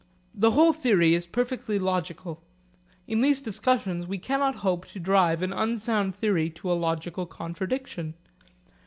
The whole theory is perfectly logical. In these discussions we cannot hope to drive an unsound theory to a logical contradiction.